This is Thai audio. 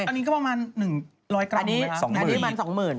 อันนี้ก็ประมาณ๑๐๐กรัมไหมฮะ